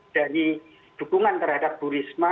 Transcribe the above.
dari dukungan terhadap bu risma